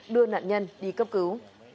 đưa nạn nhân đi cấp cứu